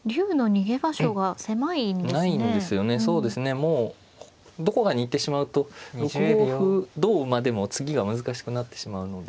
もうどこかに行ってしまうと６五歩同馬でも次が難しくなってしまうので。